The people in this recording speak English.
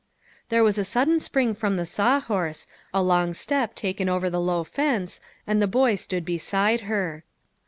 There was a sudden spring from the saw horse, a long step taken over the low fence, and the boy stood beside her.